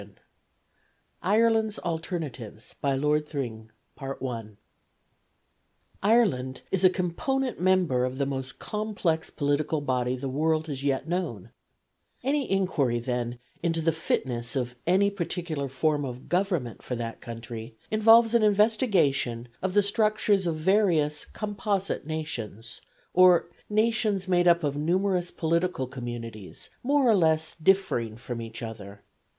] IRELAND'S ALTERNATIVES. BY LORD THRING. Ireland is a component member of the most complex political body the world has yet known; any inquiry, then, into the fitness of any particular form of government for that country involves an investigation of the structures of various composite nations, or nations made up of numerous political communities more or less differing from each other.